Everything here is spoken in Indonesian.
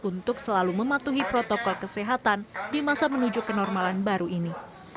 untuk selalu mematuhi protokol kesehatan di masa menuju kenormalan baru ini